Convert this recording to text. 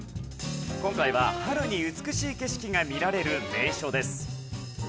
今回は春に美しい景色が見られる名所です。